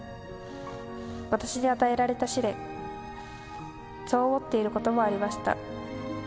私に与えられた試練、そう思っていることもありました。